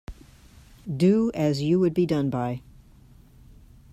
Do as you would be done by.